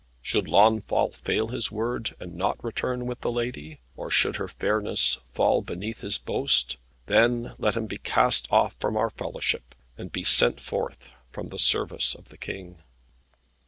Should Launfal fail his word, and not return with the lady, or should her fairness fall beneath his boast, then let him be cast off from our fellowship, and be sent forth from the service of the King."